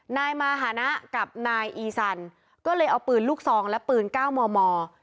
นายมาหานะกับนายอีซันก็เลยเอาปืนลูกซองและปืน๙มม